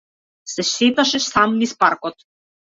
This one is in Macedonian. Се шеташе сам низ паркот.